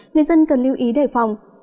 người dân cần lưu ý đề phòng